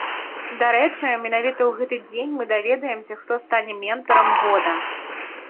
Дарэчы, менавіта ў гэты дзень мы даведаемся, хто стане ментарам года.